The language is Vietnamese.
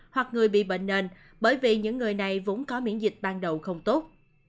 hoặc người bị bệnh nền bởi vì những người này vốn có miễn dịch ban đầu không tốt